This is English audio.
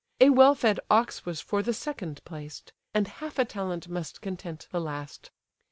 A well fed ox was for the second placed; And half a talent must content the last.